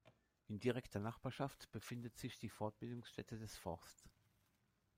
In direkter Nachbarschaft befindet sich die Fortbildungsstätte des Forst.